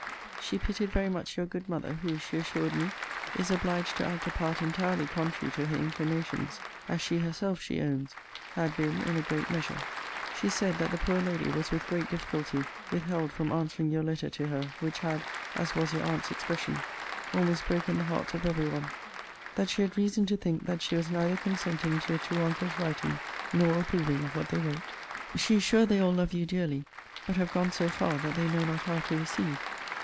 'She pitied very much your good mother, who, she assured me, is obliged to act a part entirely contrary to her inclinations; as she herself, she owns, had been in a great measure. 'She said, that the poor lady was with great difficulty with held from answering your letter to her; which had (as was your aunt's expression) almost broken the heart of every one: that she had reason to think that she was neither consenting to your two uncles writing, nor approving of what they wrote. 'She is sure they all love you dearly; but have gone so far, that they know not how to recede.